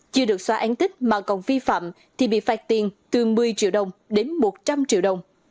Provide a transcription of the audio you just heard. chưa được xóa án tích mà còn vi phạm thì bị phạt tiền từ một mươi triệu đồng đến một trăm linh triệu đồng